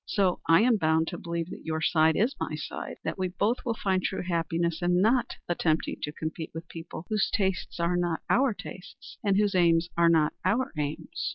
So I am bound to believe that your side is my side that we both will find true happiness in not attempting to compete with people whose tastes are not our tastes, and whose aims are not our aims."